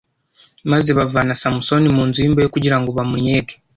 maze bavana Samusoni mu nzu y’imbohe kugira ngo bamunnyege